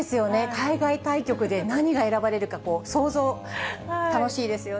海外対局で何が選ばれるか、想像、楽しいですよね。